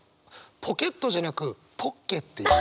「ポケット」じゃなく「ポッケ」っていう。